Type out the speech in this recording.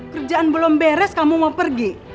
kerjaan belum beres kamu mau pergi